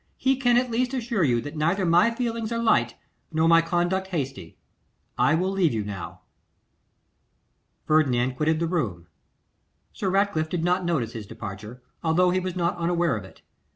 He can at least assure you that neither my feelings are light nor my conduct hasty. I will leave you now.' Ferdinand quitted the room; Sir Ratcliffe did not notice his departure, although he was not unaware of it.